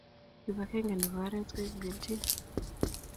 Kibakeng nebo oret koibu keljin